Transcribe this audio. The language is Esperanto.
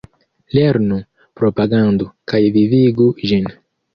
Lernu, propagandu kaj vivigu ĝin!